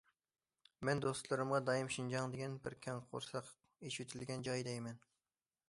مەن دوستلىرىمغا دائىم شىنجاڭ دېگەن بىر كەڭ قورساق، ئېچىۋېتىلگەن جاي، دەيمەن.